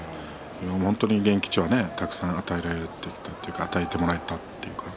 本当に現役中はたくさん与えられたというか与えてもらったというか。